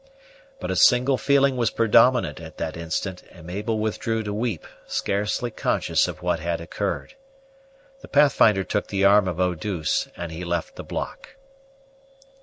But a single feeling was predominant at that instant, and Mabel withdrew to weep, scarcely conscious of what had occurred. The Pathfinder took the arm of Eau douce, and he left the block.